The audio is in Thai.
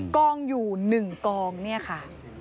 กองอยู่หนึ่งกองนี่ค่ะ